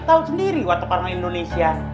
lu tau sendiri wate parang indonesia